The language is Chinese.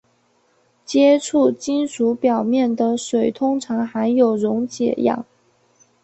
接触金属表面的水通常含有溶解氧。